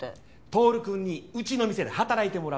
亨くんにうちの店で働いてもらうの。